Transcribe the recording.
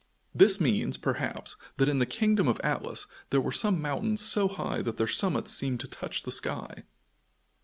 This means, perhaps, that in the kingdom of Atlas there were some mountains so high that their summits seemed to touch the sky.